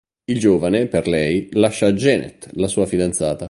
Il giovane, per lei, lascia Janet, la sua fidanzata.